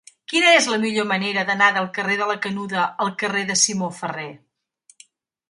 Quina és la millor manera d'anar del carrer de la Canuda al carrer de Simó Ferrer?